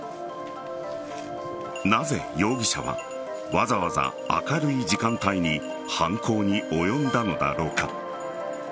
なぜ容疑者はわざわざ明るい時間帯に犯行に及んだのだろうか。